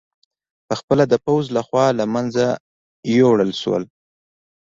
په خپله د پوځ له خوا له منځه یووړل شول